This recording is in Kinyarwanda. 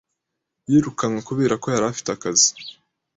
Yirukanwe kubera ko yari afite akazi.